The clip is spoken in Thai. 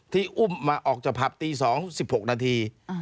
อุ้มมาออกจากผับตี๒๑๖นาที